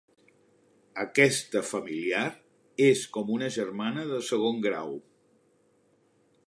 Aquesta familiar és com una germana de segon grau.